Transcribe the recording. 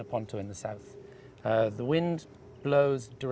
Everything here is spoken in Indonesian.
tetapi terbiasa berterusan di sekitar